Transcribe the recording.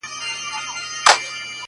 • ما يې اوږده غمونه لنډي خوښۍ نه غوښتې ـ